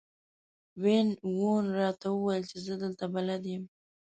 وین وون راته وویل چې زه دلته بلد یم.